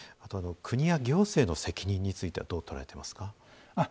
国や行政の責任についてはどう捉えてますか？